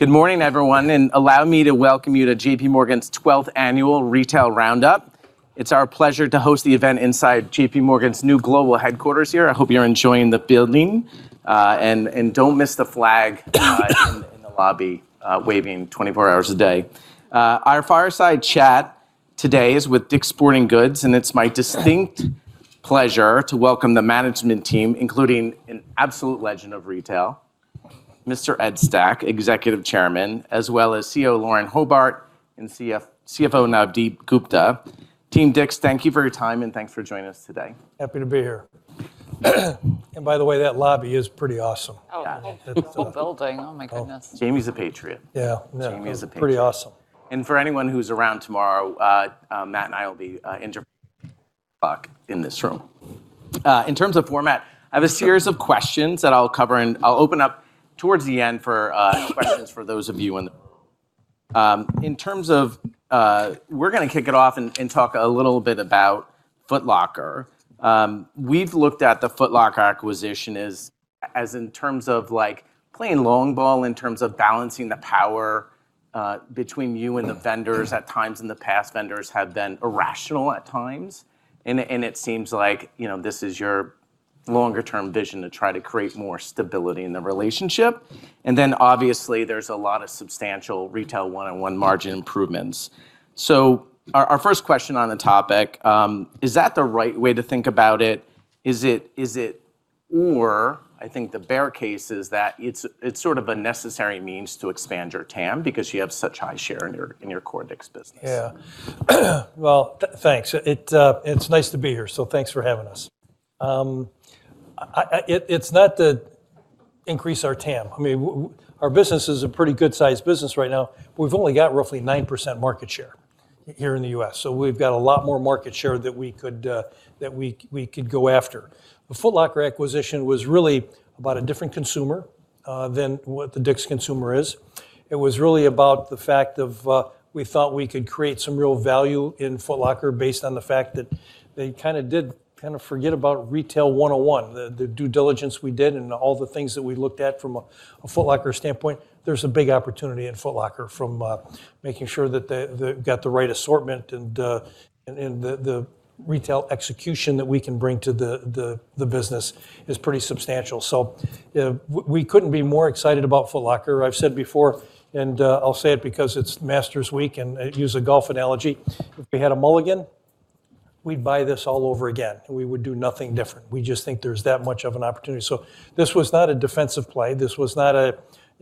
Good morning, everyone, and allow me to welcome you to JPMorgan's 12th Annual Retail Roundup. It's our pleasure to host the event inside JPMorgan's new global headquarters here. I hope you're enjoying the building. Don't miss the flag in the lobby waving 24 hours a day. Our fireside chat today is with DICK'S Sporting Goods, and it's my distinct pleasure to welcome the management team, including an absolute legend of retail, Mr. Ed Stack, Executive Chairman, as well as CEO Lauren Hobart and CFO Navdeep Gupta. Team DICK'S, thank you for your time and thanks for joining us today. Happy to be here. By the way, that lobby is pretty awesome. Oh, the whole building. Oh, my goodness. Jamie's a patriot. Yeah. Jamie is a patriot. Pretty awesome. For anyone who's around tomorrow, Matt and I will be interviewing Buck in this room. In terms of format, I have a series of questions that I'll cover, and I'll open up towards the end for questions for those of you in the room. We're going to kick it off and talk a little bit about Foot Locker. We've looked at the Foot Locker acquisition as in terms of playing long ball, in terms of balancing the power between you and the vendors. At times in the past, vendors have been irrational at times. It seems like this is your longer-term vision to try to create more stability in the relationship. Then obviously, there's a lot of substantial retail 101 margin improvements. Our first question on the topic, is that the right way to think about it? I think the bear case is that it's sort of a necessary means to expand your TAM because you have such high share in your core DICK'S business. Yeah. Well, thanks. It's nice to be here. Thanks for having us. It's not to increase our TAM. Our business is a pretty good-sized business right now. We've only got roughly 9% market share here in the U.S., so we've got a lot more market share that we could go after. The Foot Locker acquisition was really about a different consumer than what the DICK'S consumer is. It was really about the fact of we thought we could create some real value in Foot Locker based on the fact that they kind of did kind of forget about retail 101. The due diligence we did and all the things that we looked at from a Foot Locker standpoint, there's a big opportunity in Foot Locker from making sure that they've got the right assortment and the retail execution that we can bring to the business is pretty substantial. We couldn't be more excited about Foot Locker. I've said before and I'll say it because it's Masters Week and use a golf analogy, if we had a mulligan, we'd buy this all over again, and we would do nothing different. We just think there's that much of an opportunity. This was not a defensive play. I'm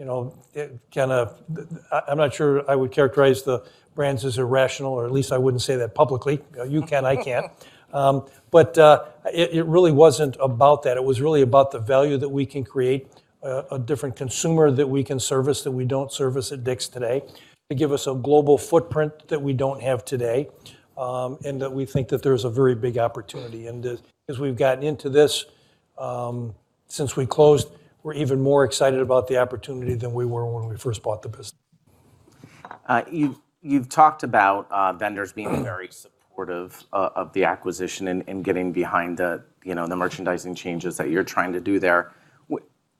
not sure I would characterize the brands as irrational, or at least I wouldn't say that publicly. You can, I can't. It really wasn't about that. It was really about the value that we can create, a different consumer that we can service that we don't service at DICK'S today, to give us a global footprint that we don't have today, and that we think that there's a very big opportunity. As we've gotten into this, since we closed, we're even more excited about the opportunity than we were when we first bought the business. You've talked about vendors being very supportive of the acquisition and getting behind the merchandising changes that you're trying to do there.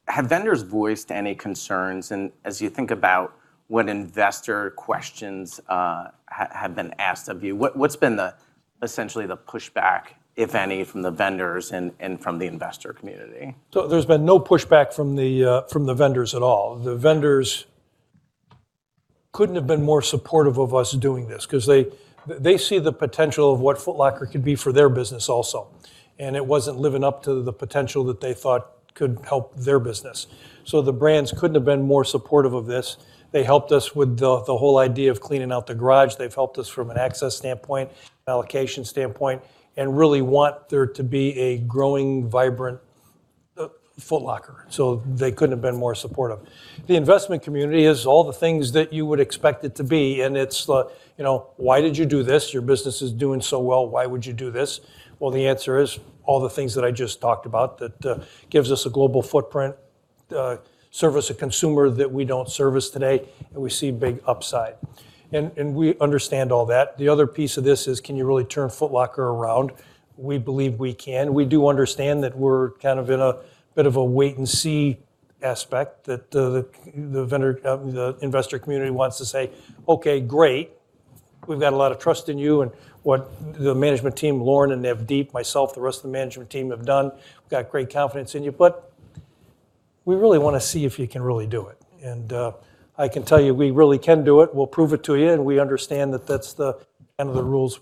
Have vendors voiced any concerns? As you think about what investor questions have been asked of you, what's been essentially the pushback, if any, from the vendors and from the investor community? There's been no pushback from the vendors at all. The vendors couldn't have been more supportive of us doing this because they see the potential of what Foot Locker could be for their business also. It wasn't living up to the potential that they thought could help their business. The brands couldn't have been more supportive of this. They helped us with the whole idea of cleaning out the garage. They've helped us from an access standpoint, allocation standpoint, and really want there to be a growing, vibrant Foot Locker. They couldn't have been more supportive. The investment community is all the things that you would expect it to be, and it's the, Why did you do this? Your business is doing so well. Why would you do this? Well, the answer is all the things that I just talked about that gives us a global footprint, service a consumer that we don't service today, and we see big upside. We understand all that. The other piece of this is can you really turn Foot Locker around? We believe we can. We do understand that we're kind of in a bit of a wait-and-see aspect that the investor community wants to say, Okay, great. We've got a lot of trust in you and what the management team, Lauren and Navdeep, myself, the rest of the management team have done. We've got great confidence in you, but we really want to see if you can really do it. I can tell you, we really can do it. We'll prove it to you, and we understand that that's the rules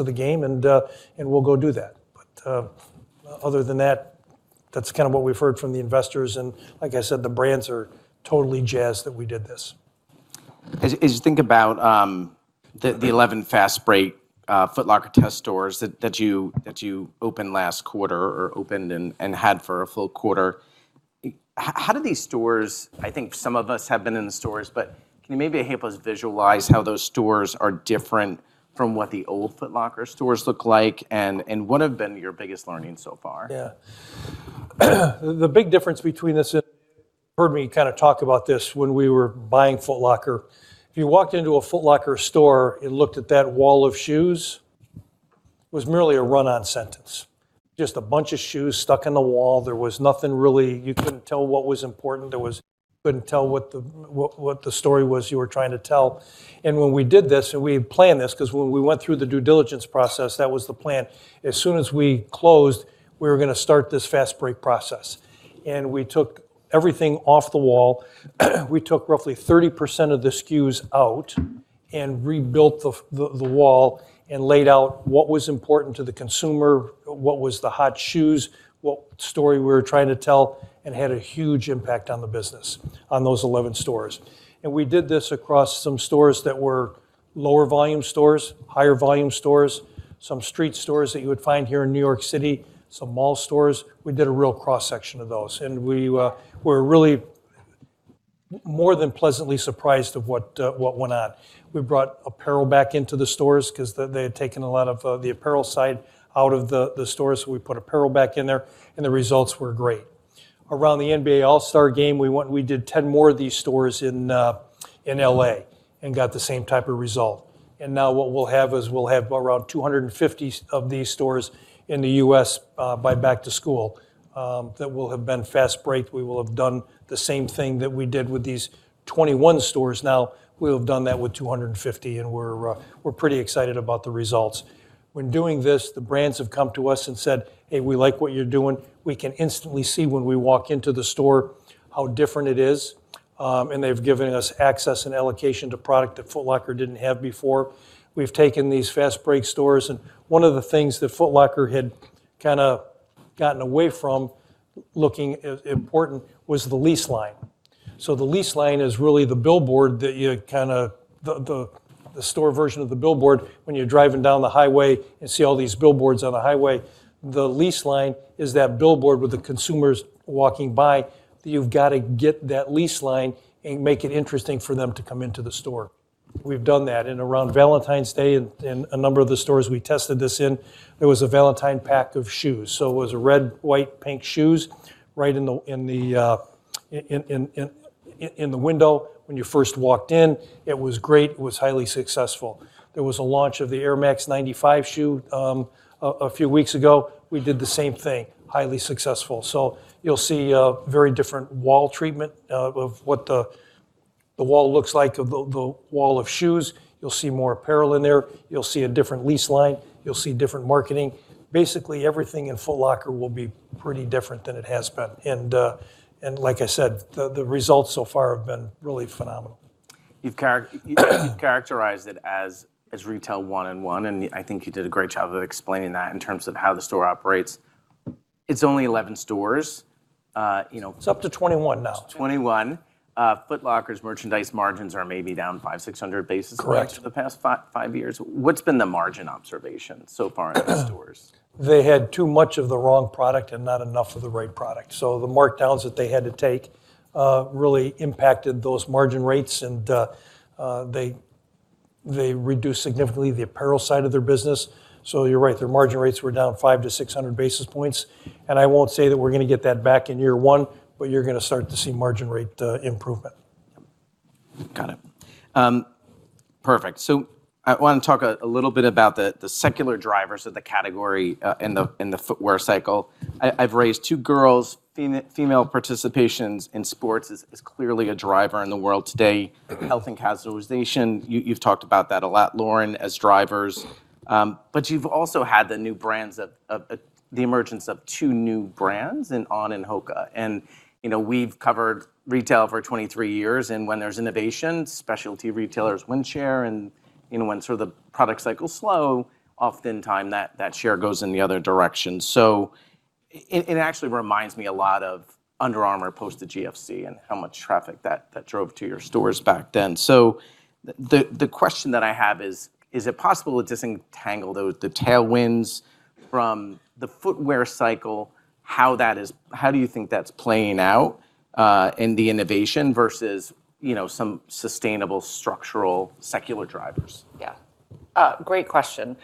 of the game and we'll go do that. Other than that's kind of what we've heard from the investors, and like I said, the brands are totally jazzed that we did this. As you think about the 11 Fast Break Foot Locker test stores that you opened last quarter or opened and had for a full quarter, how do these stores, I think some of us have been in the stores, but can you maybe help us visualize how those stores are different from what the old Foot Locker stores look like? What have been your biggest learnings so far? Yeah. The big difference between this and heard me kind of talk about this when we were buying Foot Locker. If you walked into a Foot Locker store and looked at that wall of shoes. It was merely a run-on sentence, just a bunch of shoes stuck in the wall. There was nothing really. You couldn't tell what was important. You couldn't tell what the story was you were trying to tell. When we did this, and we had planned this, because when we went through the due diligence process, that was the plan. As soon as we closed, we were going to start this Fast Break process. We took everything off the wall, we took roughly 30% of the SKUs out and rebuilt the wall and laid out what was important to the consumer, what was the hot shoes, what story we were trying to tell, and had a huge impact on the business on those 11 stores. We did this across some stores that were lower volume stores, higher volume stores, some street stores that you would find here in New York City, some mall stores. We did a real cross-section of those. We were really more than pleasantly surprised of what went on. We brought apparel back into the stores because they had taken a lot of the apparel side out of the stores. We put apparel back in there and the results were great. Around the NBA All-Star Game, we did 10 more of these stores in L.A. and got the same type of result. Now what we'll have is, we'll have around 250 of these stores in the U.S. by back-to-school that will have been Fast Break. We will have done the same thing that we did with these 21 stores. Now, we'll have done that with 250, and we're pretty excited about the results. When doing this, the brands have come to us and said, Hey, we like what you're doing. We can instantly see when we walk into the store how different it is. They've given us access and allocation to product that Foot Locker didn't have before. We've taken these Fast Break stores, and one of the things that Foot Locker had kind of gotten away from looking important was the lease line. The lease line is really the store version of the billboard when you're driving down the highway and see all these billboards on the highway. The lease line is that billboard with the consumers walking by, that you've got to get that lease line and make it interesting for them to come into the store. We've done that. Around Valentine's Day, in a number of the stores we tested this in, there was a Valentine pack of shoes. It was red, white, pink shoes right in the window when you first walked in. It was great. It was highly successful. There was a launch of the Air Max 95 shoe a few weeks ago. We did the same thing. Highly successful. You'll see a very different wall treatment of what the wall looks like, of the wall of shoes. You'll see more apparel in there. You'll see a different lease line. You'll see different marketing. Basically, everything in Foot Locker will be pretty different than it has been. Like I said, the results so far have been really phenomenal. You've characterized it as Retail 101, and I think you did a great job of explaining that in terms of how the store operates. It's only 11 stores. It's up to 21 now. It's 21. Foot Locker's merchandise margins are maybe down 500-600 basis Correct points for the past five years. What's been the margin observation so far in these stores? They had too much of the wrong product and not enough of the right product. The markdowns that they had to take really impacted those margin rates, and they reduced significantly the apparel side of their business. You're right, their margin rates were down 500-600 basis points. I won't say that we're going to get that back in year one, but you're going to start to see margin rate improvement. Got it. Perfect. I want to talk a little bit about the secular drivers of the category in the footwear cycle. I've raised two girls. Female participation in sports is clearly a driver in the world today. Health and casualization, you've talked about that a lot, Lauren, as drivers. You've also had the emergence of two new brands in On and Hoka. We've covered retail for 23 years, and when there's innovation, specialty retailers win share. When the product cycles slow, oftentimes that share goes in the other direction. It actually reminds me a lot of Under Armour post the GFC and how much traffic that drove to your stores back then. The question that I have is it possible to disentangle the tailwinds from the footwear cycle? How do you think that's playing out in the innovation versus some sustainable structural secular drivers? Yeah. Great question.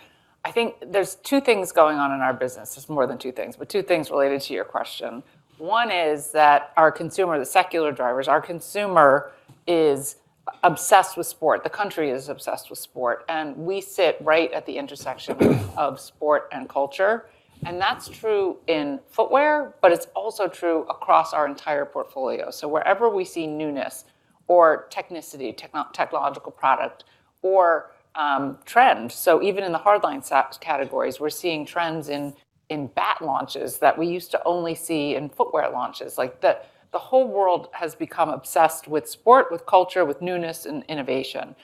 I think there's two things going on in our business. There's more than two things, but two things related to your question. One is that our consumer, the secular drivers, our consumer is obsessed with sport. The country is obsessed with sport, and we sit right at the intersection of sport and culture, and that's true in footwear, but it's also true across our entire portfolio. Wherever we see newness or technicity, technological product, or trend, so even in the hardline categories, we're seeing trends in bat launches that we used to only see in footwear launches. The whole world has become obsessed with sport, with culture, with newness, and innovation.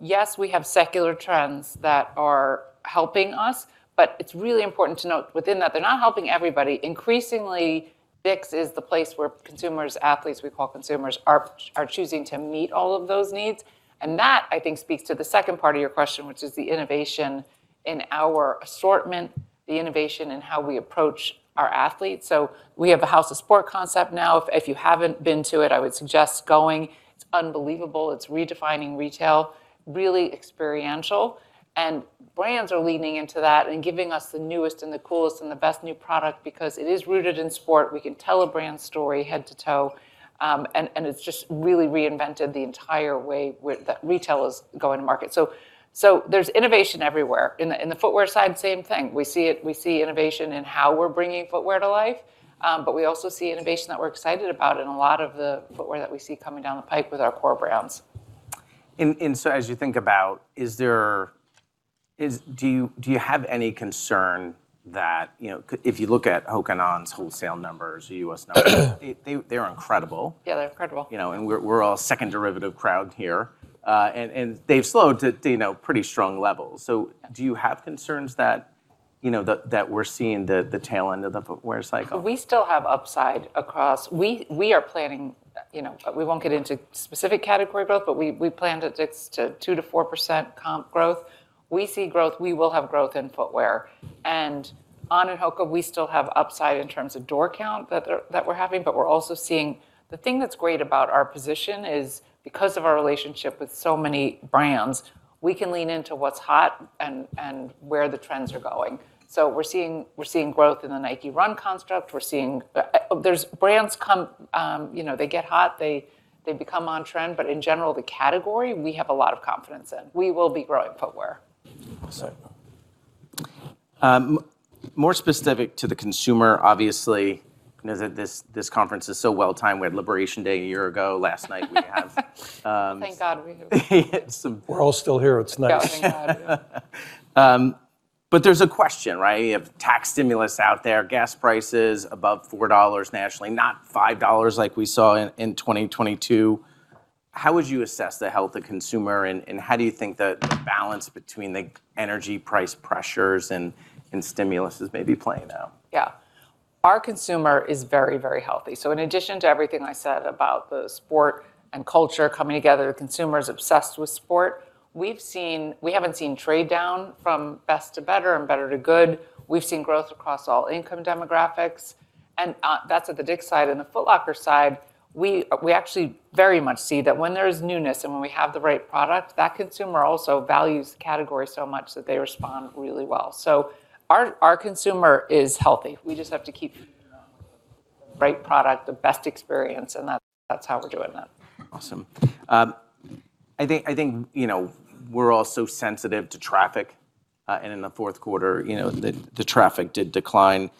Yes, we have secular trends that are helping us, but it's really important to note within that they're not helping everybody. Increasingly, DICK'S is the place where consumers, athletes we call consumers, are choosing to meet all of those needs, and that, I think, speaks to the second part of your question, which is the innovation in our assortment, the innovation in how we approach our athletes. We have a House of Sport concept now. If you haven't been to it, I would suggest going. It's unbelievable. It's redefining retail, really experiential, and brands are leaning into that and giving us the newest and the coolest and the best new product because it is rooted in sport. We can tell a brand story head to toe. It's just really reinvented the entire way that retail is going to market. There's innovation everywhere. In the footwear side, same thing. We see innovation in how we're bringing footwear to life, but we also see innovation that we're excited about in a lot of the footwear that we see coming down the pipe with our core brands. As you think about, do you have any concern that, if you look at Hoka [and] On's wholesale numbers, the U.S. numbers, they are incredible? Yeah, they're incredible. We're all second derivative crowd here. They've slowed to pretty strong levels. Do you have concerns that we're seeing the tail end of the footwear cycle? We still have upside. We are planning, we won't get into specific category growth, but we planned it to 2%-4% comp growth. We see growth, we will have growth in footwear. On and Hoka, we still have upside in terms of door count that we're having, but we're also seeing. The thing that's great about our position is because of our relationship with so many brands, we can lean into what's hot and where the trends are going. We're seeing growth in the Nike Run construct. Brands, they get hot, they become on-trend, but in general, the category we have a lot of confidence in. We will be growing footwear. Awesome. More specific to the consumer, obviously, this conference is so well-timed. We had Liberation Day a year ago. Last night, we have. Thank God we have. Yeah, some- We're all still here. It's nice. Yeah. Thank God. There's a question, right? You have tax-stimulus out there, gas prices above $4 nationally, not $5 like we saw in 2022. How would you assess the health of consumer, and how do you think the balance between the energy price pressures and stimulus is maybe playing out? Yeah. Our consumer is very, very healthy. In addition to everything I said about the sport and culture coming together, the consumer is obsessed with sport. We haven't seen trade-down from best to better and better to good. We've seen growth across all income demographics, and that's at the DICK'S side. In the Foot Locker side, we actually very much see that when there is newness and when we have the right product, that consumer also values the category so much that they respond really well. Our consumer is healthy. We just have to keep the right product, the best experience, and that's how we're doing that. Awesome. I think, we're all so sensitive to traffic, and in the fourth quarter, the traffic did decline.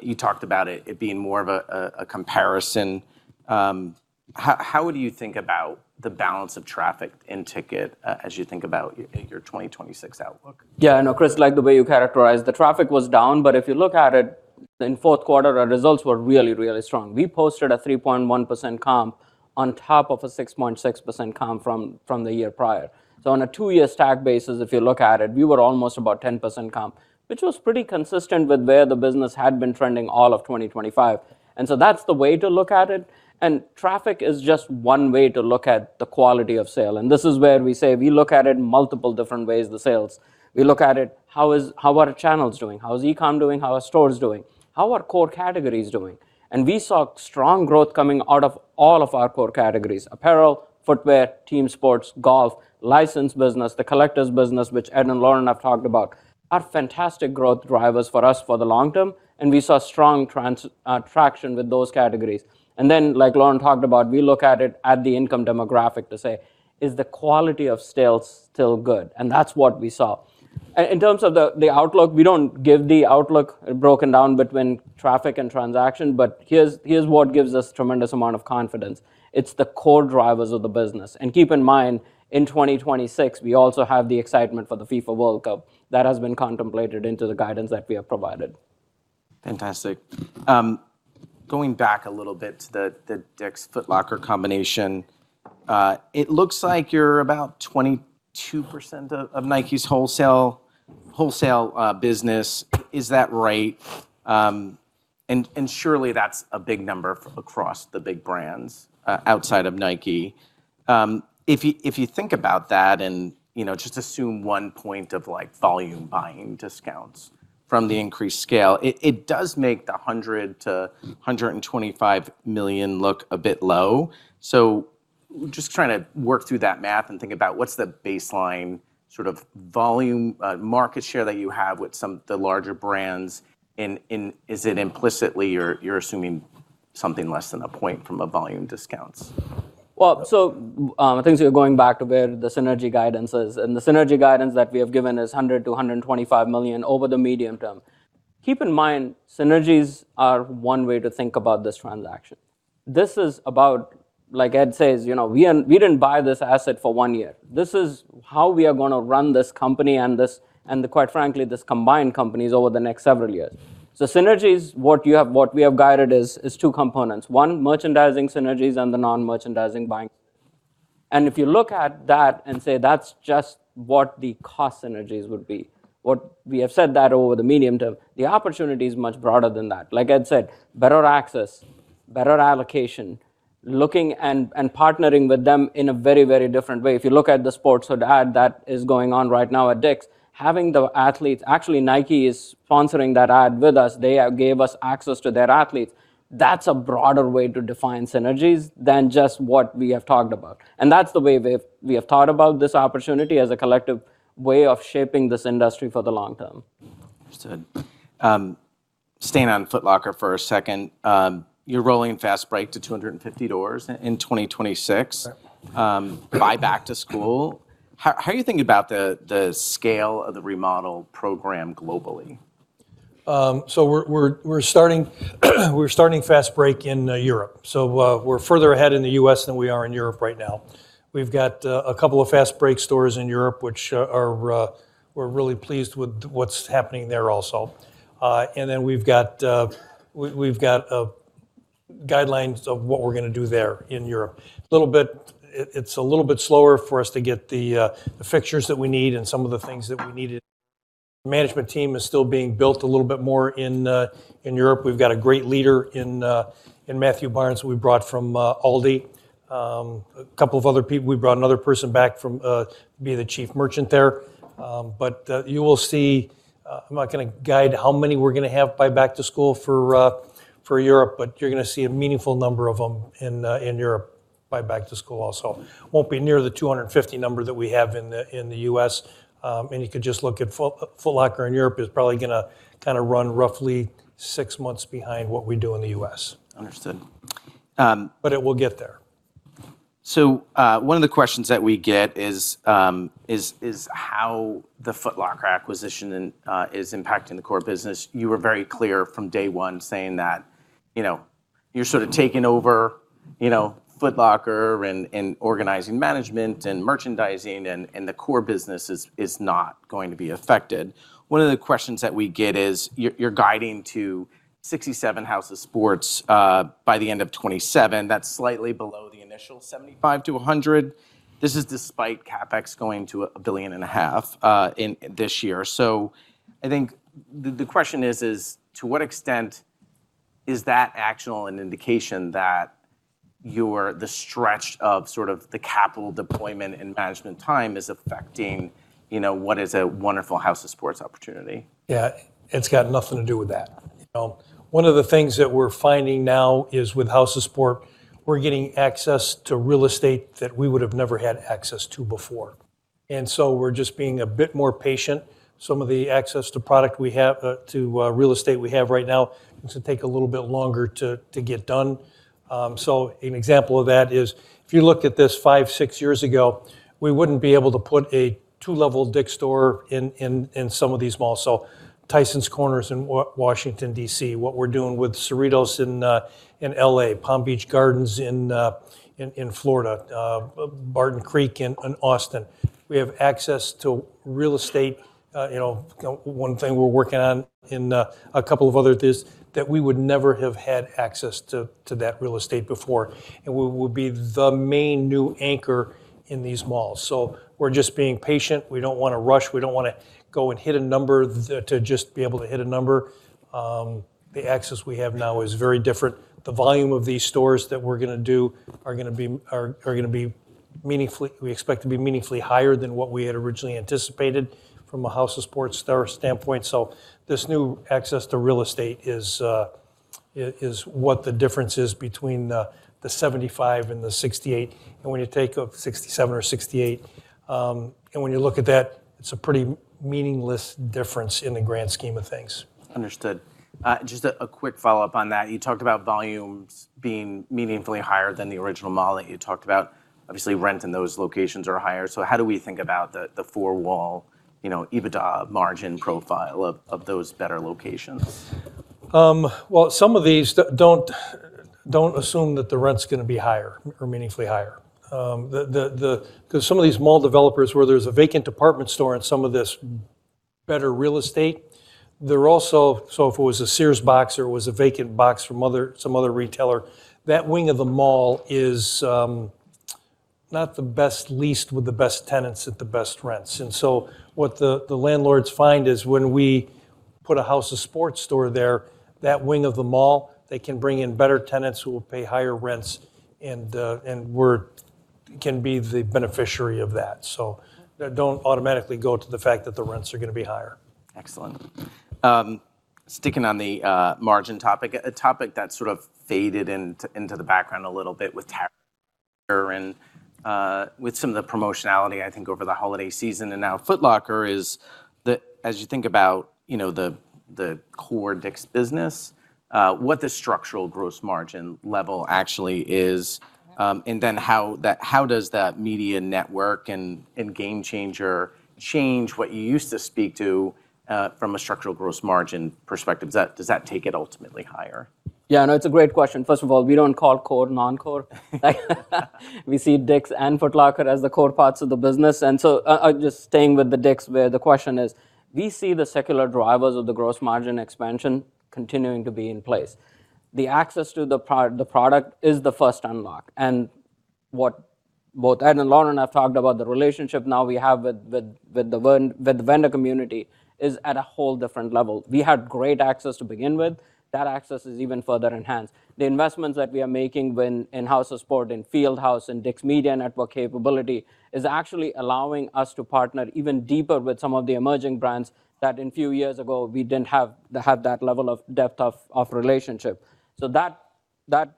You talked about it being more of a comparison. How would you think about the balance of traffic in ticket, as you think about your 2026 outlook? Yeah. No, Chris, like the way you characterized, the traffic was down, but if you look at it in fourth quarter, our results were really, really strong. We posted a 3.1% comp on top of a 6.6% comp from the year prior. On a two-year stack basis, if you look at it, we were almost about 10% comp, which was pretty consistent with where the business had been trending all of 2025. That's the way to look at it, and traffic is just one way to look at the quality of sale, and this is where we say we look at it in multiple different ways, the sales. We look at it, how are channels doing? How's e-com doing? How are stores doing? How are core categories doing? We saw strong growth coming out of all of our core categories. Apparel, footwear, team sports, golf, licensed business, the collectibles business, which Ed and Lauren have talked about, are fantastic growth drivers for us for the long term, and we saw strong traction with those categories. Then, like Lauren talked about, we look at it by the income demographic to say, Is the quality of sales still good? That's what we saw. In terms of the outlook, we don't give the outlook broken down between traffic and transaction, but here's what gives us tremendous amount of confidence. It's the core drivers of the business. Keep in mind, in 2026, we also have the excitement for the FIFA World Cup. That has been contemplated into the guidance that we have provided. Fantastic. Going back a little bit to the DICK'S Foot Locker combination, it looks like you're about 22% of Nike's wholesale business. Is that right? Surely that's a big number across the big brands, outside of Nike. If you think about that and just assume 1% of volume buying discounts from the increased scale, it does make the $100 million-$125 million look a bit low. Just trying to work through that math and think about what's the baseline sort of volume market share that you have with the larger brands, and is it implicitly you're assuming something less than 1% from a volume discounts? Well, I think so you're going back to where the synergy guidance is, and the synergy guidance that we have given is $100 million-$125 million over the medium term. Keep in mind, synergies are one way to think about this transaction. This is about, like Ed says, we didn't buy this asset for one year. This is how we are going to run this company and quite frankly, this combined companies over the next several years. Synergies, what we have guided is two components. One, merchandising synergies and the non-merchandising buying. If you look at that and say that's just what the cost synergies would be. We have said that over the medium term. The opportunity is much broader than that. Like Ed said, better access, better allocation, looking and partnering with them in a very, very different way. If you look at the sports ad that is going on right now at DICK'S. Actually, Nike is sponsoring that ad with us. They gave us access to their athletes. That's a broader way to define synergies than just what we have talked about. That's the way we have thought about this opportunity as a collective way of shaping this industry for the long term. Understood. Staying on Foot Locker for a second. You're rolling Fast Break to 250 doors in 2026. Correct. By back-to-school, how are you thinking about the scale of the remodel program globally? We're starting Fast Break in Europe. We're further ahead in the U.S. than we are in Europe right now. We've got a couple of Fast Break stores in Europe, which we're really pleased with what's happening there also. We've got guidelines of what we're going to do there in Europe. It's a little bit slower for us to get the fixtures that we need and some of the things that we needed. Management team is still being built a little bit more in Europe. We've got a great leader in Matthew Barnes, who we brought from ALDI. A couple of other people, we brought another person back to be the Chief Merchant there. You will see, I'm not going to guide how many we're going to have by back-to-school for Europe, but you're going to see a meaningful number of them in Europe by back-to-school also. Won't be near the 250 number that we have in the U.S. You could just look at Foot Locker in Europe is probably going to kind of run roughly six months behind what we do in the U.S. Understood. It will get there. One of the questions that we get is how the Foot Locker acquisition is impacting the core business. You were very clear from day one saying that you're sort of taking over Foot Locker and organizing management and merchandising and the core business is not going to be affected. One of the questions that we get is, you're guiding to 67 House of Sport by the end of 2027. That's slightly below the initial 75-100. This is despite CapEx going to $1.5 billion this year. I think the question is, to what extent is that actually an indication that the stretch of sort of the capital deployment and management time is affecting what is a wonderful House of Sport opportunity? Yeah, it's got nothing to do with that. One of the things that we're finding now is with House of Sport, we're getting access to real estate that we would have never had access to before. We're just being a bit more patient. Some of the access to real estate we have right now needs to take a little bit longer to get done. An example of that is, if you look at this five, six years ago, we wouldn't be able to put a two-level DICK'S store in some of these malls. Tysons Corner in Washington, D.C. What we're doing with Cerritos in L.A. Palm Beach Gardens in Florida. Barton Creek in Austin. We have access to real estate. One thing we're working on in a couple of other things that we would never have had access to that real estate before. We will be the main new anchor in these malls. We're just being patient. We don't want to rush. We don't want to go and hit a number to just be able to hit a number. The access we have now is very different. The volume of these stores that we're going to do are going to be meaningfully, we expect to be meaningfully higher than what we had originally anticipated from a House of Sport standpoint. This new access to real estate is what the difference is between the 75 and the 68, and when you take out 67 or 68. When you look at that, it's a pretty meaningless difference in the grand scheme of things. Understood. Just a quick follow-up on that. You talked about volumes being meaningfully higher than the original mall that you talked about. Obviously, rent in those locations are higher. So how do we think about the four-wall EBITDA margin profile of those better locations? Don't assume that the rent's going to be higher or meaningfully higher. Because some of these mall developers, where there's a vacant department store in some of this better real estate, so if it was a Sears box or it was a vacant box from some other retailer, that wing of the mall is not the best leased with the best tenants at the best rents. What the landlords find is when we put a House of Sport store there, that wing of the mall, they can bring in better tenants who will pay higher rents. We can be the beneficiary of that. Don't automatically go to the fact that the rents are going to be higher. Excellent. Sticking on the margin topic. A topic that sort of faded into the background a little bit with some of the promotionality, I think, over the holiday season. Now Foot Locker is, as you think about the core DICK'S business, what the structural gross margin level actually is, and then how does that DICK'S Media Network and GameChanger change what you used to speak to from a structural gross margin perspective? Does that take it ultimately higher? Yeah, that's a great question. First of all, we don't call core non-core. We see DICK'S and Foot Locker as the core parts of the business. Just staying with the DICK'S, where the question is, we see the secular drivers of the gross margin expansion continuing to be in place. The access to the product is the first unlock, and what both Ed and Lauren have talked about, the relationship now we have with the vendor community is at a whole different level. We had great access to begin with. That access is even further enhanced. The investments that we are making in House of Sport, in Field House, in DICK'S Media Network capability, is actually allowing us to partner even deeper with some of the emerging brands that a few years ago, we didn't have that level of depth of relationship. That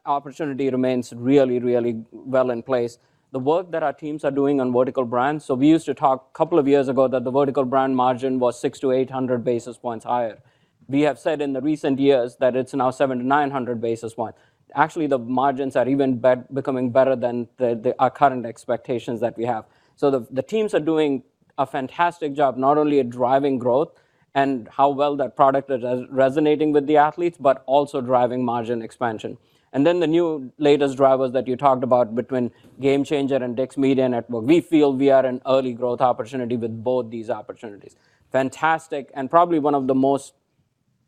opportunity remains really well in place. The work that our teams are doing on vertical brands. We used to talk a couple of years ago that the vertical brand margin was 600 basis points-800 basis points higher. We have said in recent years that it's now 700 basis points-900 basis points. Actually, the margins are even becoming better than our current expectations that we have. The teams are doing a fantastic job, not only at driving growth and how well that product is resonating with the athletes, but also driving margin expansion. Then the new latest drivers that you talked about between GameChanger and DICK'S Media Network, we feel we are in an early growth opportunity with both these opportunities. Fantastic, and probably one of the most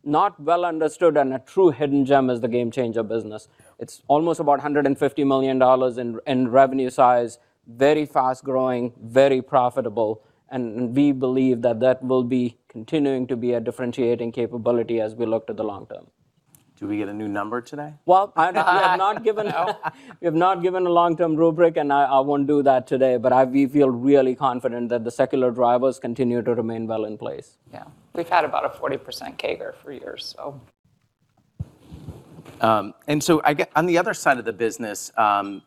not well understood and a true hidden gem is the GameChanger business. It's almost about $150 million in revenue size, very fast-growing, very profitable, and we believe that will be continuing to be a differentiating capability as we look to the long term. Do we get a new number today? Well, we have not given. No. We have not given a long-term rubric, and I won't do that today. We feel really confident that the secular drivers continue to remain well in place. Yeah. We've had about a 40% CAGR for years. On the other side of the business,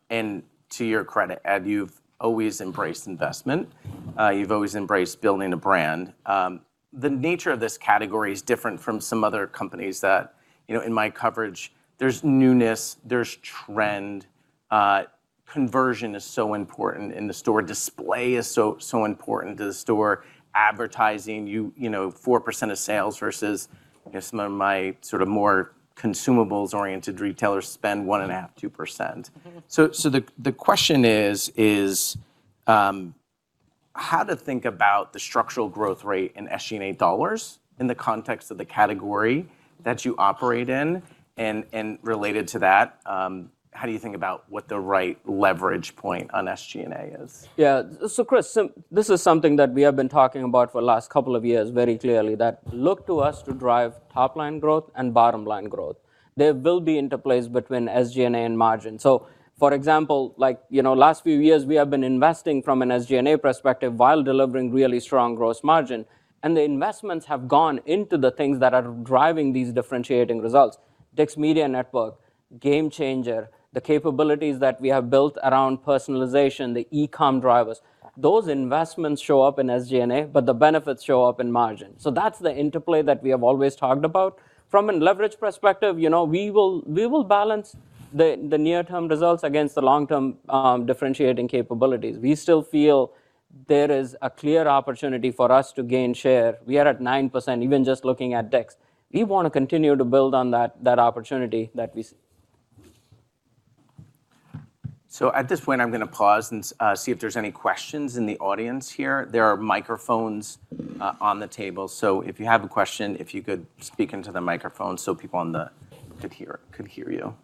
and to your credit, Ed, you've always embraced investment. You've always embraced building a brand. The nature of this category is different from some other companies that in my coverage, there's newness, there's trend. Conversion is so important, and the store display is so important to the store. Advertising, 4% of sales versus some of my more consumables-oriented retailers spend 1.5%, 2%. Mm-hmm. The question is, how to think about the structural growth rate in SG&A dollars in the context of the category that you operate in, and related to that, how do you think about what the right leverage point on SG&A is? Yeah. Chris, this is something that we have been talking about for the last couple of years very clearly, that look to us to drive top-line growth and bottom-line growth. There will be interplays between SG&A and margin. For example, last few years, we have been investing from an SG&A perspective while delivering really strong gross margin, and the investments have gone into the things that are driving these differentiating results. DICK'S Media Network, GameChanger, the capabilities that we have built around personalization, the e-com drivers. Those investments show up in SG&A, but the benefits show up in margin. That's the interplay that we have always talked about. From a leverage perspective, we will balance the near-term results against the long-term differentiating capabilities. We still feel there is a clear opportunity for us to gain share. We are at 9%, even just looking at DICK'S. We want to continue to build on that opportunity that we see. At this point, I'm going to pause and see if there's any questions in the audience here. There are microphones on the table. If you have a question, if you could speak into the microphone so people on the could hear you.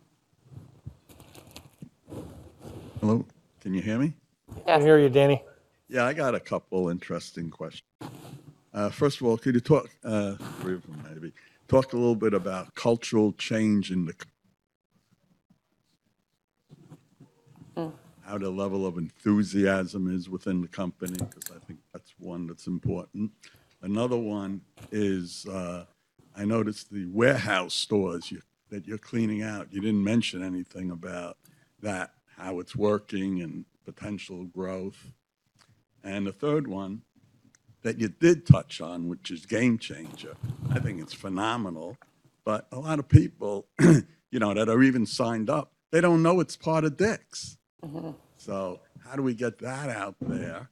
Hello, can you hear me? Yeah. I can hear you, Danny. Yeah, I got a couple interesting questions. First of all, could you talk three of them maybe talk a little bit about cultural change in the company. Mm. How the level of enthusiasm is within the company, because I think that's one that's important. Another one is, I noticed the warehouse stores that you're cleaning out. You didn't mention anything about that, how it's working and potential growth. The third one that you did touch on, which is GameChanger. I think it's phenomenal, but a lot of people that are even signed up, they don't know it's part of DICK'S. Mm-hmm. How do we get that out there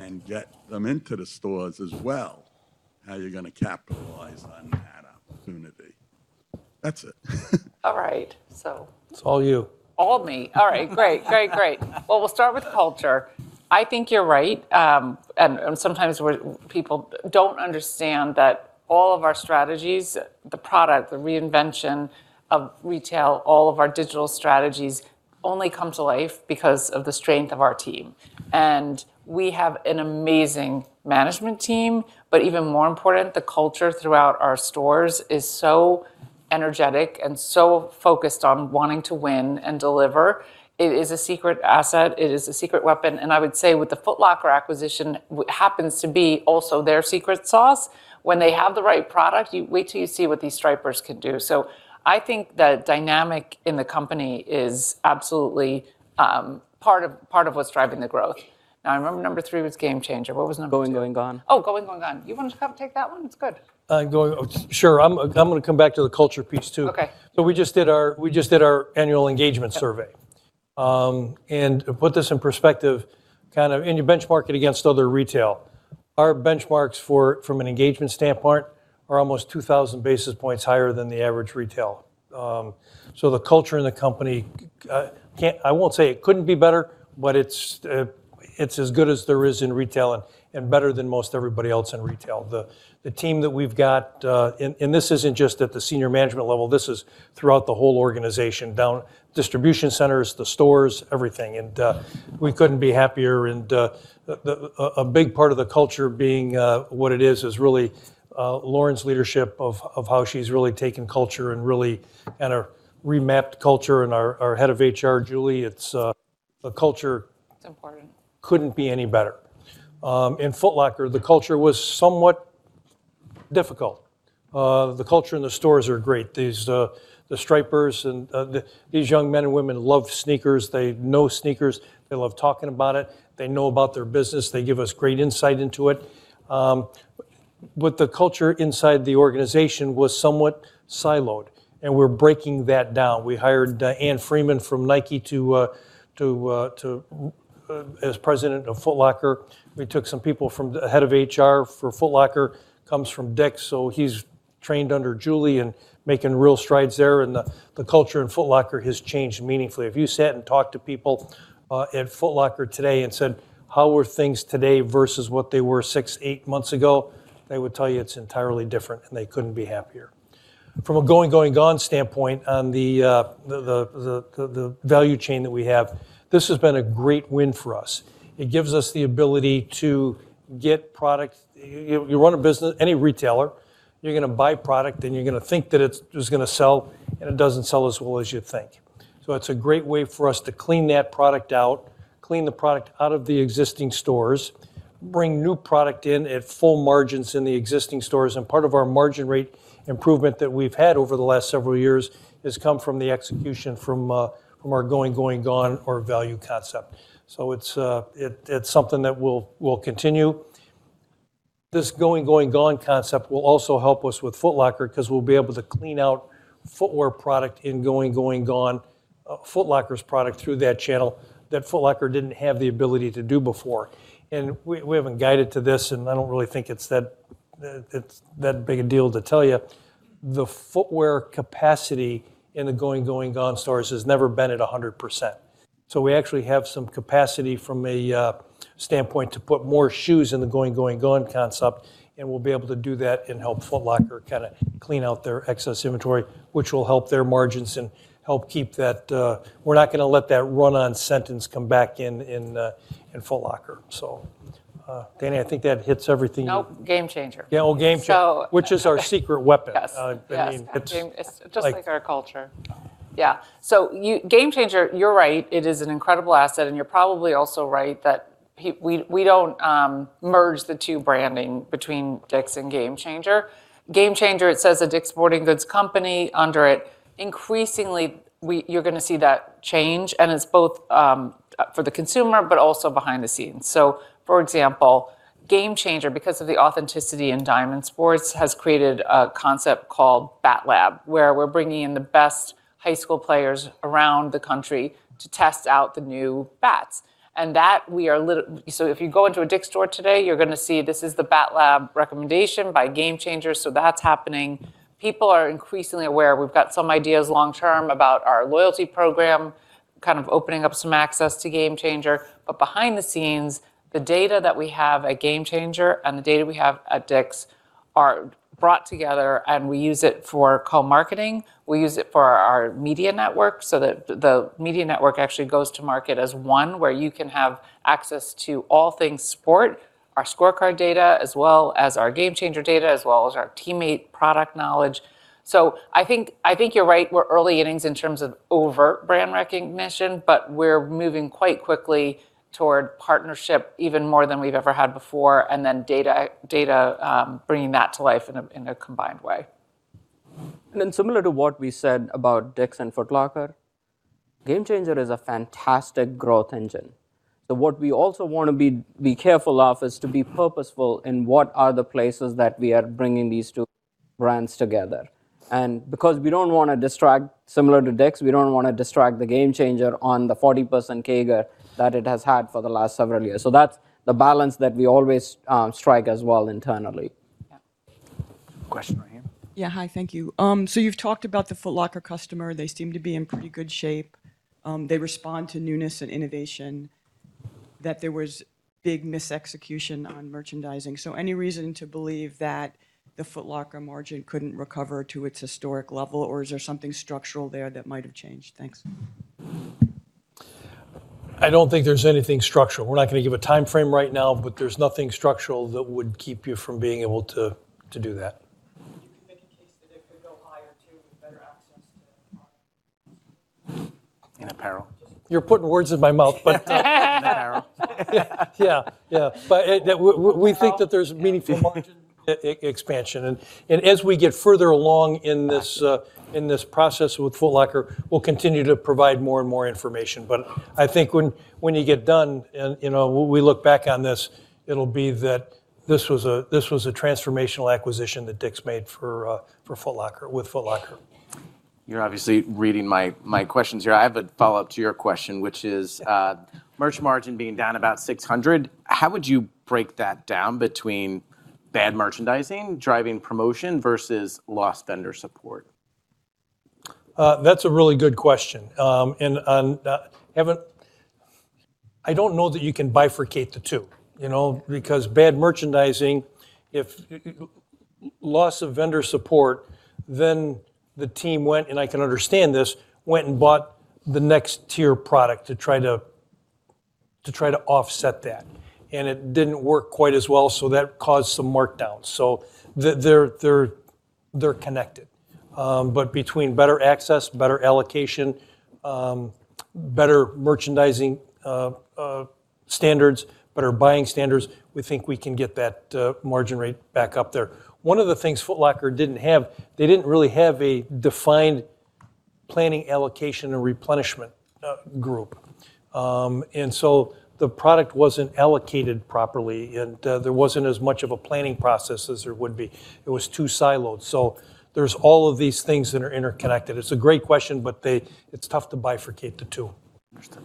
and get them into the stores as well? How are you going to capitalize on that opportunity? That's it. All right. It's all you. All me. All right. Great. Well, we'll start with culture. I think you're right. Sometimes people don't understand that all of our strategies, the product, the reinvention of retail, all of our digital strategies only come to life because of the strength of our team. We have an amazing management team, but even more important, the culture throughout our stores is so energetic and so focused on wanting to win and deliver. It is a secret asset, it is a secret weapon. I would say, with the Foot Locker acquisition, happens to be also their secret sauce. When they have the right product, you wait till you see what these stripers can do. I think the dynamic in the company is absolutely part of what's driving the growth. Now, I remember number three was GameChanger. What was number two? Going, Going, Gone! Going, Going, Gone! you want to come take that one? It's good. Sure. I'm going to come back to the culture piece, too. Okay. We just did our annual engagement survey. Yep. To put this in perspective, when you benchmark it against other retail. Our benchmarks from an engagement standpoint are almost 2,000 basis points higher than the average retail. The culture in the company, I won't say it couldn't be better, but it's as good as there is in retail and better than most everybody else in retail. The team that we've got, and this isn't just at the senior management level, this is throughout the whole organization. Down distribution centers, the stores, everything. We couldn't be happier. A big part of the culture being what it is really Lauren's leadership of how she's really taken culture and really kind of remapped culture, and our head of HR, Julie. The culture. It's important. couldn't be any better. In Foot Locker, the culture was somewhat difficult. The culture in the stores are great. The stripers and these young men and women love sneakers. They know sneakers. They love talking about it. They know about their business. They give us great insight into it. The culture inside the organization was somewhat siloed, and we're breaking that down. We hired Ann Freeman from Nike as President of Foot Locker. The head of HR for Foot Locker comes from DICK'S, so he's trained under Julie and making real strides there, and the culture in Foot Locker has changed meaningfully. If you sat and talked to people at Foot Locker today and said, How are things today versus what they were six, eight months ago? They would tell you it's entirely different, and they couldn't be happier. Going, Going, Gone! standpoint on the value chain that we have, this has been a great win for us. It gives us the ability to get products. You run a business, any retailer, you're going to buy product, and you're going to think that it's just going to sell, and it doesn't sell as well as you think. It's a great way for us to clean that product out, clean the product out of the existing stores, bring new product in at full margins in the existing stores, and part of our margin rate improvement that we've had over the last several years has come from the execution from our Going, Going, Gone! or value concept. It's something that we'll Going, Going, Gone! concept will also help us with Foot Locker because we'll be able to clean out footwearGoing, Going, Gone!, foot locker's product through that channel that Foot Locker didn't have the ability to do before. We haven't guided to this, and I don't really think it's that big a deal to tell you. The footwear capacity Going, Going, Gone! stores has never been at 100%. We actually have some capacity from a standpoint to put more shoes Going, Going, Gone! concept, and we'll be able to do that and help Foot Locker clean out their excess inventory, which will help their margins and help keep that. We're not going to let that run-on sentence come back in Foot Locker. Danny, I think that hits everything you- Nope. GameChanger. Yeah. Well, GameChanger. So- Which is our secret weapon. Yes. I mean, it's Just like our culture. Yeah. GameChanger, you're right. It is an incredible asset, and you're probably also right that we don't merge the two branding between DICK'S and GameChanger. GameChanger, it says the DICK'S Sporting Goods company under it. Increasingly, you're going to see that change, and it's both for the consumer, but also behind the scenes. For example, GameChanger, because of the authenticity in diamond sports, has created a concept called Bat Lab, where we're bringing in the best high school players around the country to test out the new bats. If you go into a DICK'S store today, you're going to see this is the Bat Lab recommendation by GameChanger. That's happening. People are increasingly aware. We've got some ideas long-term about our loyalty program, kind of opening up some access to GameChanger. Behind the scenes, the data that we have at GameChanger and the data we have at DICK'S are brought together, and we use it for co-marketing. We use it for our media network, so that the media network actually goes to market as one where you can have access to all things sport, our scorecard data, as well as our GameChanger data, as well as our teammate product knowledge. I think you're right. We're early innings in terms of overt brand recognition, but we're moving quite quickly toward partnership even more than we've ever had before, and then data, bringing that to life in a combined way. Similar to what we said about DICK'S and Foot Locker, GameChanger is a fantastic growth engine. What we also want to be careful of is to be purposeful in what are the places that we are bringing these two brands together. Because we don't want to distract, similar to DICK'S, we don't want to distract the GameChanger on the 40% CAGR that it has had for the last several years. That's the balance that we always strike as well internally. Yeah. Question right here. Yeah. Hi. Thank you. You've talked about the Foot Locker customer. They seem to be in pretty good shape. They respond to newness and innovation, that there was big misexecution on merchandising. Any reason to believe that the Foot Locker margin couldn't recover to its historic level, or is there something structural there that might have changed? Thanks. I don't think there's anything structural. We're not going to give a timeframe right now, but there's nothing structural that would keep you from being able to do that. In apparel. You're putting words in my mouth, but. In apparel. Yeah. We think that there's meaningful- expansion. As we get further along in this process with Foot Locker, we'll continue to provide more and more information. I think when you get done and we look back on this, it'll be that this was a transformational acquisition that DICK'S made with Foot Locker. You're obviously reading my questions here. I have a follow-up to your question, which is, merch margin being down about 600 basis points, how would you break that down between bad merchandising, driving promotion, versus lost vendor support? That's a really good question. And I don't know that you can bifurcate the two. If loss of vendor support, then the team went, and I can understand this, and bought the next tier product to try to offset that. It didn't work quite as well, so that caused some markdowns. They're connected. Between better access, better allocation, better merchandising standards, better buying standards, we think we can get that margin rate back up there. One of the things Foot Locker didn't have, they didn't really have a defined planning, allocation, and replenishment group. The product wasn't allocated properly, and there wasn't as much of a planning process as there would be. It was too siloed. There's all of these things that are interconnected. It's a great question, but it's tough to bifurcate the two. Understood.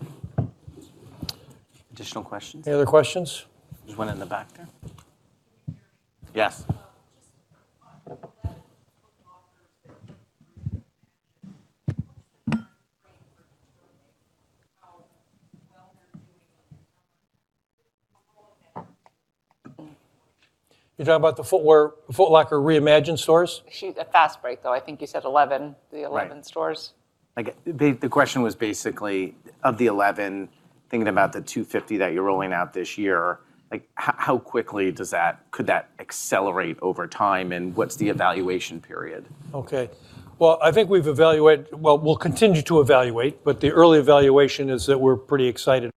Additional questions? Any other questions? There's one in the back there. Yes. You're talking about the Foot Locker reimagined stores? A fast break, though. I think you said 11. The 11 stores. Right. I think the question was basically, of the 11, thinking about the 250 that you're rolling out this year, how quickly could that accelerate over time, and what's the evaluation period? Okay. Well, we'll continue to evaluate, but the early evaluation is that we're pretty excited.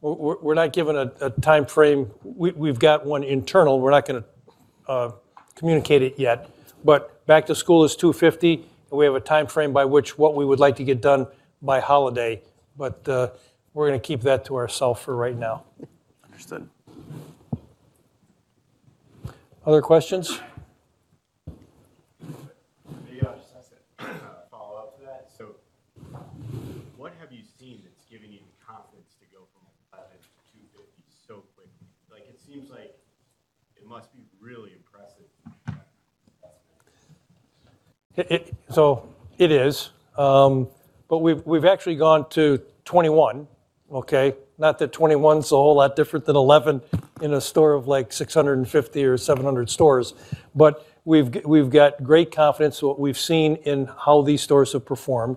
We're not giving a time frame. We've got one internal, we're not going to communicate it yet. Back-to-school is 250, and we have a time frame by which what we would like to get done by holiday, but we're going to keep that to ourselves for right now. Understood. Other questions? Hey, Josh. I just had to follow up to that. What have you seen that's giving you the confidence to go from 11 to 250 so quickly? It seems like it must be really impressive. It is. We've actually gone to 21. Okay? Not that 21 is a whole lot different than 11 in a store of like 650 or 700 stores. We've got great confidence in what we've seen in how these stores have performed.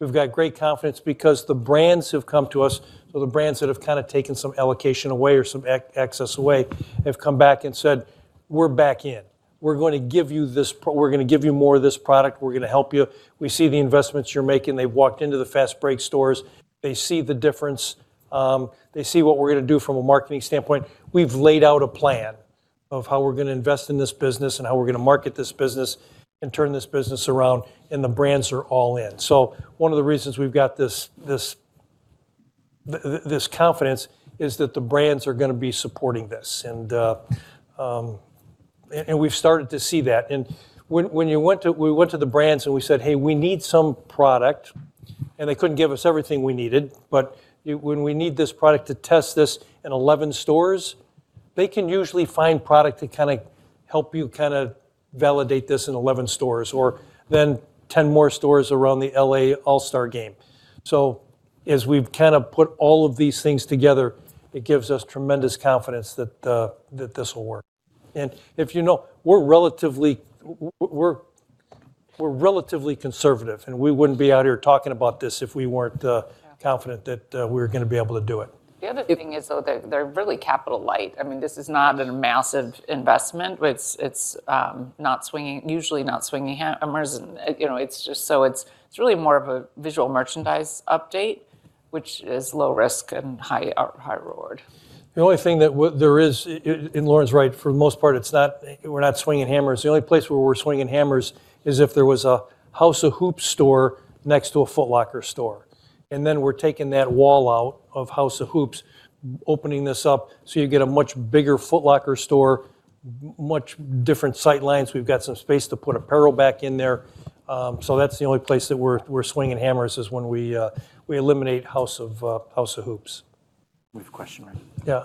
We've got great confidence because the brands have come to us. The brands that have kind of taken some allocation away or some access away have come back and said, We're back in. We're going to give you more of this product. We're going to help you. We see the investments you're making. They've walked into the fast break stores. They see the difference. They see what we're going to do from a marketing standpoint. We've laid out a plan of how we're going to invest in this business and how we're going to market this business and turn this business around, and the brands are all in. One of the reasons we've got this confidence is that the brands are going to be supporting this. We've started to see that. When we went to the brands, and we said, Hey, we need some product. They couldn't give us everything we needed, but when we need this product to test this in 11 stores, they can usually find product to kind of help you validate this in 11 stores. Then 10 more stores around the NBA All-Star Game. As we've kind of put all of these things together, it gives us tremendous confidence that this will work. If you know, we're relatively conservative, and we wouldn't be out here talking about this if we weren't confident that we were going to be able to do it. The other thing is, though, they're really capital light. This is not a massive investment. It's usually not swinging hammers. It's really more of a visual merchandise update, which is low risk and high reward. The only thing that there is, and Lauren's right, for the most part, we're not swinging hammers. The only place where we're swinging hammers is if there was a House of Hoops store next to a Foot Locker store. Then we're taking that wall out of House of Hoops, opening this up, so you get a much bigger Foot Locker store, much different sight lines. We've got some space to put apparel back in there. That's the only place that we're swinging hammers is when we eliminate House of Hoops. We have a question right here. Yeah.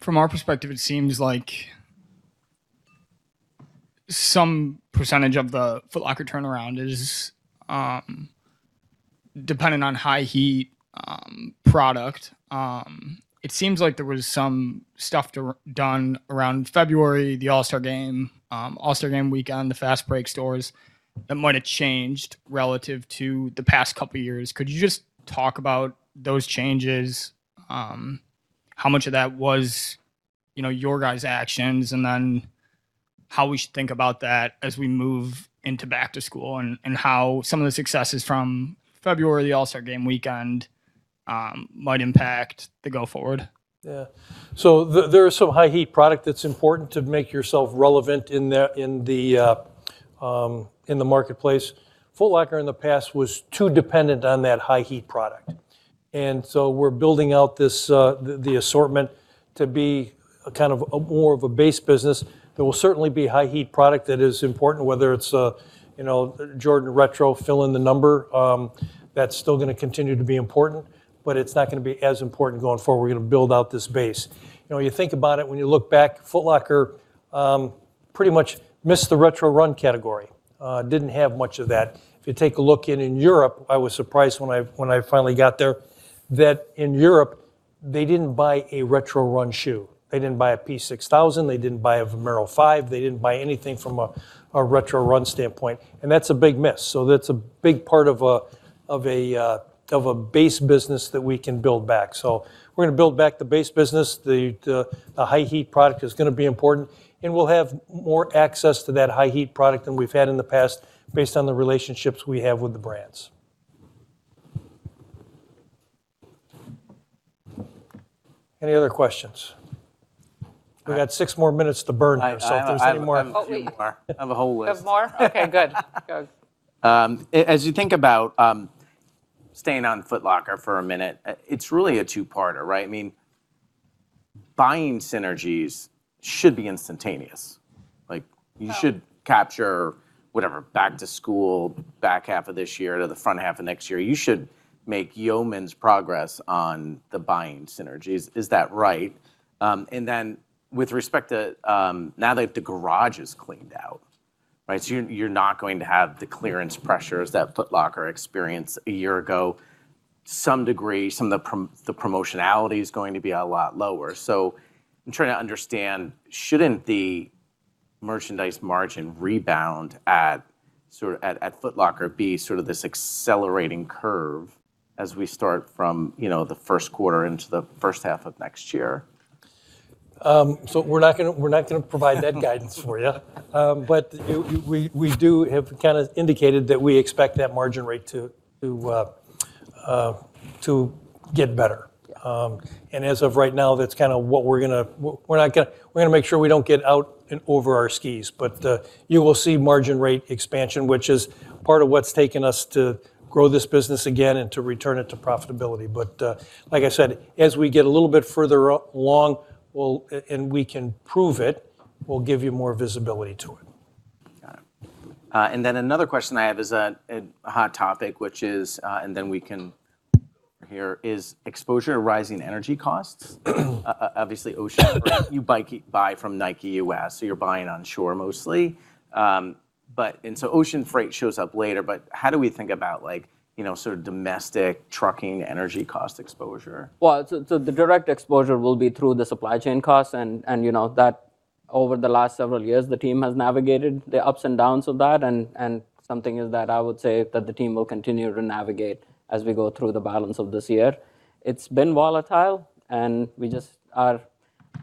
From our perspective, it seems like some percentage of the Foot Locker turnaround is dependent on high-heat product. It seems like there was some stuff done around February, the All-Star Game, All-Star Game weekend, the Fast Break stores, that might have changed relative to the past couple of years. Could you just talk about those changes? How much of that was your guys' actions? How we should think about that as we move into back-to-school, and how some of the successes from February, the All-Star Game weekend, might impact going forward? Yeah. There is some high heat product that's important to make yourself relevant in the marketplace. Foot Locker in the past was too dependent on that high heat product. We're building out the assortment to be more of a base business. There will certainly be high heat product that is important, whether it's Jordan Retro, fill in the number. That's still going to continue to be important, but it's not going to be as important going forward. We're going to build out this base. You think about it, when you look back, Foot Locker pretty much missed the retro run category. Didn't have much of that. If you take a look in Europe, I was surprised when I finally got there, that in Europe, they didn't buy a retro run shoe. They didn't buy a P6000. They didn't buy a Vomero 5. They didn't buy anything from a retro run standpoint, and that's a big miss. That's a big part of a base business that we can build back. We're going to build back the base business. The high heat product is going to be important, and we'll have more access to that high heat product than we've had in the past, based on the relationships we have with the brands. Any other questions? We've got six more minutes to burn here, so if there's any more. I have a whole list. You have more? Okay, good. As you think about staying on Foot Locker for a minute, it's really a two-parter. Buying synergies should be instantaneous. You should capture, whatever, back-to-school, back half of this year to the front half of next year. You should make yeoman's progress on the buying synergies. Is that right? With respect to, now that the garage is cleaned out, so you're not going to have the clearance pressures that Foot Locker experienced a year ago. Some degree, some of the promotionality is going to be a lot lower. I'm trying to understand, shouldn't the merchandise margin rebound at Foot Locker be this accelerating curve as we start from the first quarter into the first half of next year? We're not going to provide that guidance for you. We do have indicated that we expect that margin rate to get better. Yeah. As of right now, that's what we're going to make sure we don't get ahead of our skis. You will see margin expansion, which is part of what's taken us to grow this business again and to return it to profitability. Like I said, as we get a little bit further along, and we can prove it, we'll give you more visibility to it. Got it. Another question I have is on a hot topic, exposure to rising energy costs. Obviously, you buy from Nike U.S., so you're buying onshore mostly. Ocean freight shows up later, but how do we think about domestic trucking energy cost exposure? The direct exposure will be through the supply chain costs and that over the last several years, the team has navigated the ups and downs of that, and something that I would say that the team will continue to navigate as we go through the balance of this year. It's been volatile, and we just are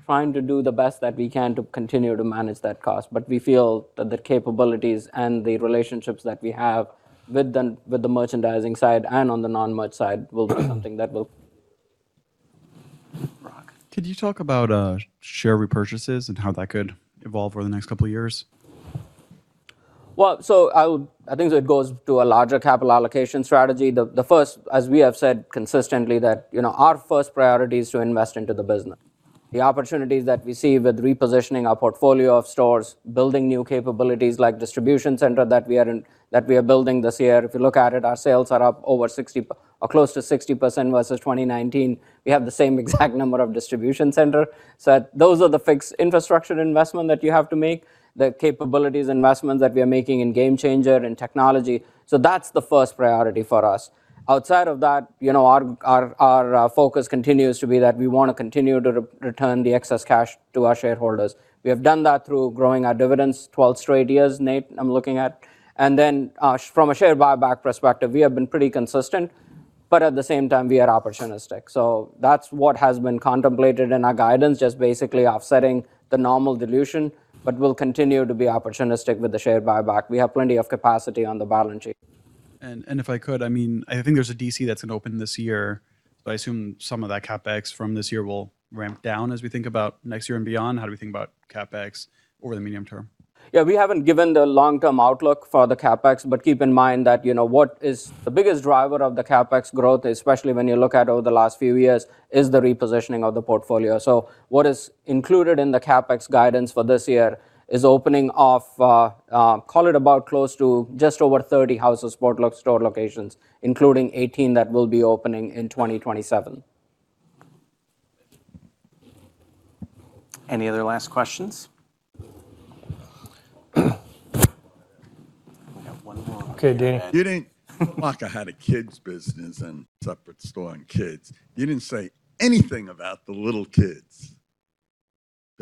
trying to do the best that we can to continue to manage that cost. We feel that the capabilities and the relationships that we have with the merchandising side and on the non-merch side will be something that will. {audio distortion] Could you talk about share repurchases and how that could evolve over the next couple of years? Well, I think that goes to a larger capital allocation strategy. The first, as we have said consistently, is that our first priority is to invest into the business. The opportunities that we see with repositioning our portfolio of stores, building new capabilities like distribution center that we are building this year. If you look at it, our sales are up close to 60% versus 2019. We have the same exact number of distribution centers. Those are the fixed infrastructure investment that you have to make, the capabilities investment that we are making in GameChanger and technology. That's the first priority for us. Outside of that, our focus continues to be that we want to continue to return the excess cash to our shareholders. We have done that through growing our dividends 12 straight years, Nate, I'm looking at. From a share buyback perspective, we have been pretty consistent. At the same time, we are opportunistic. That's what has been contemplated in our guidance, just basically offsetting the normal dilution, but we'll continue to be opportunistic with the share buyback. We have plenty of capacity on the balance sheet. If I could, I think there's a DC that's going to open this year, but I assume some of that CapEx from this year will ramp down as we think about next year and beyond. How do we think about CapEx over the medium term? Yeah, we haven't given the long-term outlook for the CapEx, but keep in mind that what is the biggest driver of the CapEx growth, especially when you look at over the last few years, is the repositioning of the portfolio. What is included in the CapEx guidance for this year is opening of, call it about close to just over 30 House of Sport store locations, including 18 that will be opening in 2027. Any other last questions? We have one more. Okay, Danny. Foot Locker had a kids business and separate store on kids. You didn't say anything about the little kids.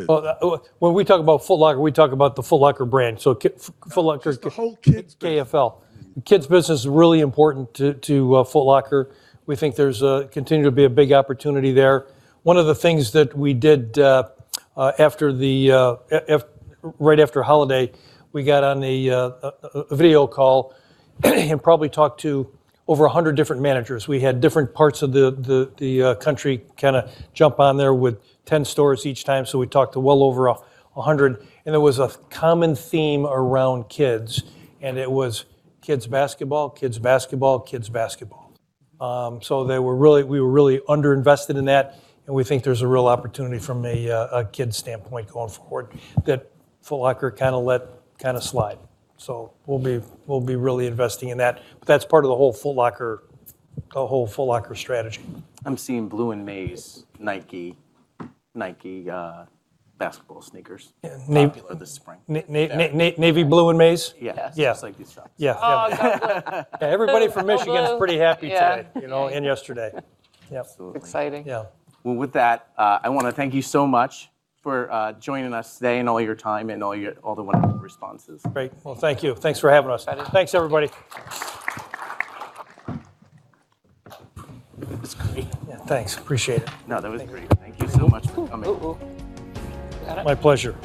Well, when we talk about Foot Locker, we talk about the Foot Locker brand. Just the whole kids business. KFL. Kids business is really important to Foot Locker. We think there's continue to be a big opportunity there. One of the things that we did right after holiday, we got on a video call and probably talked to over 100 different managers. We had different parts of the country jump on there with 10 stores each time. We talked to well over 100, and there was a common theme around kids, and it was kids basketball. We were really under-invested in that, and we think there's a real opportunity from a kids standpoint going forward that Foot Locker let slide. We'll be really investing in that, but that's part of the whole Foot Locker strategy. I'm seeing blue and maize Nike basketball sneakers. Yeah. Popular this spring. navy blue and maize? Yes. Yeah. Just like these socks. Yeah. Oh, got it. Yeah, everybody from Michigan is pretty happy today. Yeah. Yesterday. Yep. Exciting. Yeah. Well, with that, I want to thank you so much for joining us today and all your time and all the wonderful responses. Great. Well, thank you. Thanks for having us. Thanks. Thanks, everybody. It was great. Yeah, thanks. Appreciate it. No, that was great. Thank you so much for coming. My pleasure.